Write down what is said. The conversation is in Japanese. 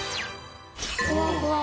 ふわふわ。